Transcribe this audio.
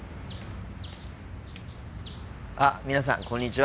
あ皆さんこんにちは。